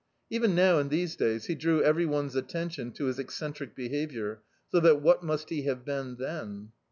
Even now, in these days, he drew every one's attention to his eccentric behaviour, so that what must he have been then?